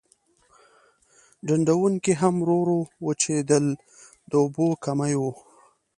ډنډونکي هم ورو ورو وچېدل د اوبو کمی و.